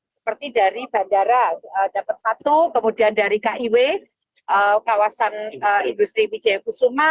seperti dari bandara dapat satu kemudian dari kiw kawasan industri wijaya kusuma